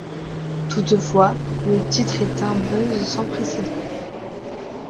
Toutefois, le titre est d'un buzz sans précédent.